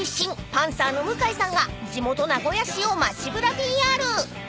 パンサーの向井さんが地元名古屋市を街ぶらＰＲ］